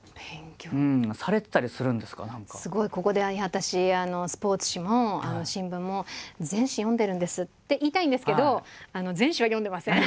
すごいここで「私スポーツ紙も新聞も全紙読んでるんです」って言いたいんですけど全紙は読んでません。